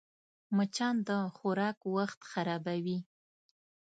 مچان د خوراک وخت خرابوي